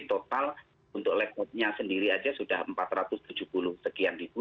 total untuk laptopnya sendiri aja sudah empat ratus tujuh puluh sekian ribu